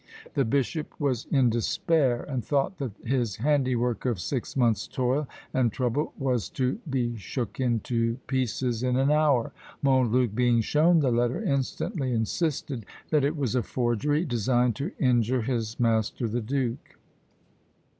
The bishop was in despair, and thought that his handiwork of six months' toil and trouble was to be shook into pieces in an hour. Montluc, being shown the letter, instantly insisted that it was a forgery, designed to injure his master the duke.